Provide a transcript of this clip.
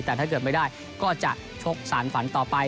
แต่ถ้าเกิดไม่ได้ก็จะชกสารฝันต่อไป